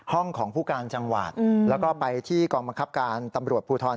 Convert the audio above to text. ของผู้การจังหวัดแล้วก็ไปที่กองบังคับการตำรวจภูทร